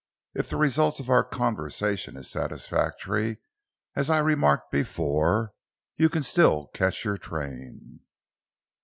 If the result of our conversation is satisfactory, as I remarked before, you can still catch your train."